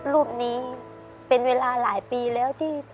รูปนี้เป็นเวลาหลายปีแล้วที่